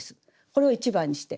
これを１番にして。